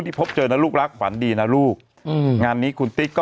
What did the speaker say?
พบเจอนะลูกรักขวัญดีนะลูกอืมงานนี้คุณติ๊กก็